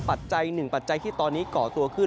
ปัจจัยหนึ่งปัจจัยที่ตอนนี้ก่อตัวขึ้น